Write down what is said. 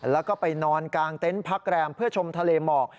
แล้วก็ไปนอนกลางเต็นต์พักแรมเพื่อชมทะเลหมอก